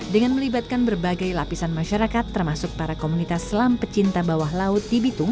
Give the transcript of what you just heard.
dengan melibatkan berbagai lapisan masyarakat termasuk para komunitas selam pecinta bawah laut di bitung